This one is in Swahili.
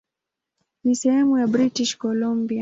Ni sehemu ya British Columbia.